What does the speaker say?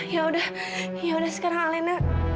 ya udah ya udah sekarang alena